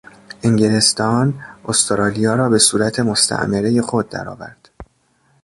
انگلستان استرالیا را به صورت مستعمره خود درآورد.